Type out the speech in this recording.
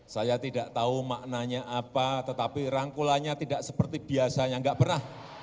saya tidak tahu maknanya apa tetapi rangkulannya tidak seperti biasanya nggak pernah